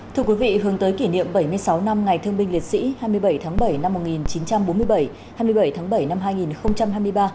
thưa quý vị hướng tới kỷ niệm bảy mươi sáu năm ngày thương binh liệt sĩ hai mươi bảy tháng bảy năm một nghìn chín trăm bốn mươi bảy hai mươi bảy tháng bảy năm hai nghìn hai mươi ba